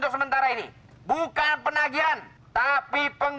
aku bahagia karena aku bening